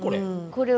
これ？